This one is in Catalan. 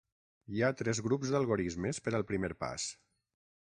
Hi ha tres grups d'algorismes per al primer pas.